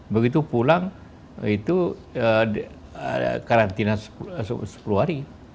begitu pulang itu karantina sepuluh hari